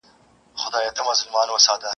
لکه نه وم په محفل کي نه نوبت را رسېدلی ..